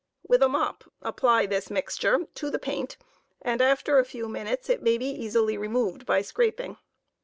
With a mop apply this mixture to the paint, and after a few minutes it may be jisily removed by scraping.